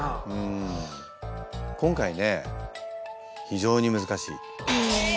今回ね非常に難しい。え！